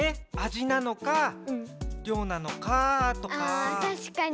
ああたしかに。